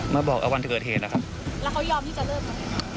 มาบอกเอาวันเกิดเหตุนะครับแล้วเขายอมที่จะเลิกไหม